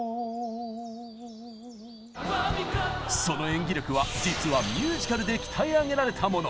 その演技力は実はミュージカルで鍛え上げられたもの！